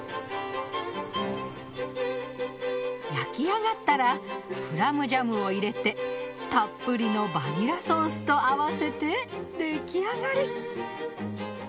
焼き上がったらプラムジャムを入れてたっぷりのバニラソースと合わせて出来上がり。